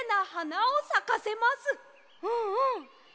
うんうん！